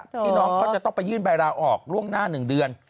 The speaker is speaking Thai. ที่น้องเขาจะต้องไปยื่นใบลาออกล่วงหน้า๑เดือน